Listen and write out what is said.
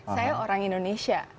saya orang indonesia